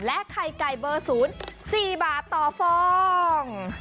และไข่ไก่เบอร์ศูนย์๔บาทต่อฟอง